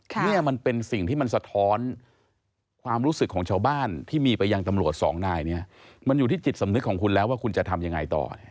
เนี่ยมันเป็นสิ่งที่มันสะท้อนความรู้สึกของชาวบ้านที่มีไปยังตำรวจสองนายเนี่ยมันอยู่ที่จิตสำนึกของคุณแล้วว่าคุณจะทำยังไงต่อ